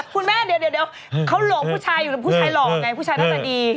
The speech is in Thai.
คุณแม่เดี๋ยวเขาหลอกผู้ชายอยู่แล้วผู้ชายหล่อไงผู้ชายน่าจะดี